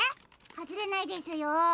はずれないですよ？